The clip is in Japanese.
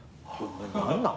何なん？